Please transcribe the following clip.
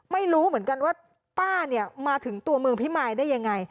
ไม่รู้เหมือนกันว่าป้าเนี่ยมาถึงตัวเมืองพิมายได้ยังไง